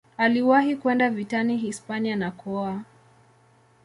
Aliwahi kwenda vitani Hispania na kuoa.